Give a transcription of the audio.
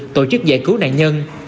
tổ chức giải cứu nạn nhân